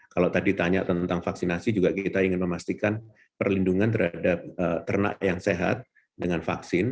kalau tadi tanya tentang vaksinasi juga kita ingin memastikan perlindungan terhadap ternak yang sehat dengan vaksin